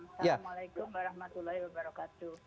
assalamualaikum warahmatullahi wabarakatuh